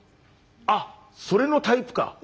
「あっそれのタイプか！」